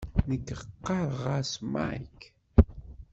Nekk ɣɣareɣ-as Mike.